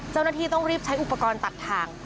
เจ้าหน้าที่ต้องรีบใช้อุปกรณ์ตัดทาง